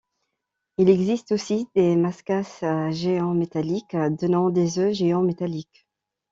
Il existe aussi des Maskass géants métalliques donnant des œufs géants métalliques.